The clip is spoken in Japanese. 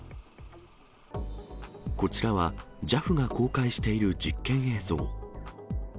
こちらは、ＪＡＦが公開している実験映像。